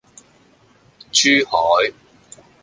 珠海